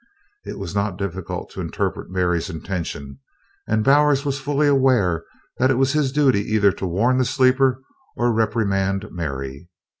It was not difficult to interpret Mary's intentions, and Bowers was fully aware that it was his duty either to warn the sleeper or reprimand Mary.